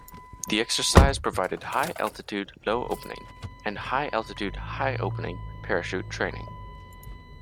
The exercise provided high altitude low opening and high altitude high opening parachute training.